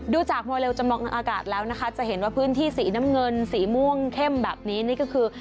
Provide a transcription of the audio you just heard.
ดูจากโมเลลจำลองทางอากาศแล้วนะคะจะเห็นว่าพื้นที่สีน้ำเงินสีม่วงเข้มแบบนี้นี่ก็คือ